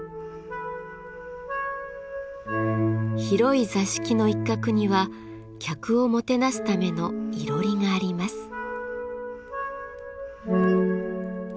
広い座敷の一角には客をもてなすためのいろりがあります。